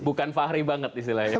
bukan fahri banget istilahnya